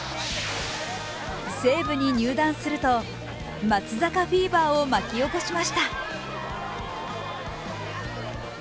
西武に入団すると、松坂フィーバーを巻き起こしました。